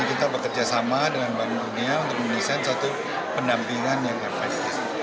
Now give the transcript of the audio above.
kita bekerjasama dengan bank dunia untuk menuliskan satu pendampingan yang efektif